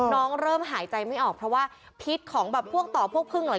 น้องเริ่มหายใจไม่ออกเพราะว่าพิษของพวกต่อพวกพึ่ง